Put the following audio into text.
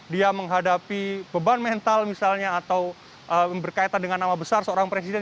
dia menghadapi beban mental misalnya atau berkaitan dengan nama besar seorang presiden